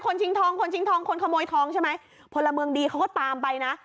ชิงทองคนชิงทองคนขโมยทองใช่ไหมพลเมืองดีเขาก็ตามไปนะ